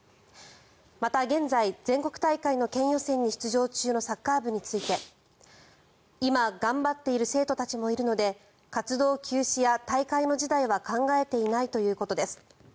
また、現在全国大会の県予選に出場中のサッカー部について今頑張っている生徒たちもいるので活動休止や大会の辞退は考えていないということです。